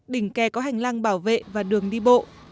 đỉnh kè có hành lang bảo vệ và đường đi bộ